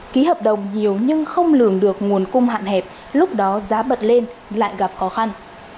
ký hợp đồng nhiều nhưng không lường được nguồn cung hạn hẹp lúc đó giá bật lên lại gặp khó khăn